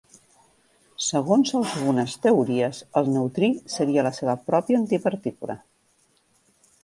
Segons algunes teories, el neutrí seria la seva pròpia antipartícula.